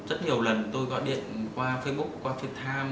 rất nhiều lần tôi gọi điện qua facebook qua fiat time